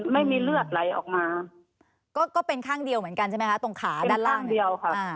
ไม่มีเลือดไหลออกมาก็ก็เป็นข้างเดียวเหมือนกันใช่ไหมคะ